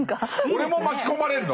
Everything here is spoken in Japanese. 俺も巻き込まれるの？